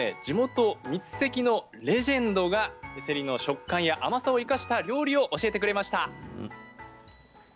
地元三関のレジェンドがせりの食感や甘さを生かした料理を教えてくれました。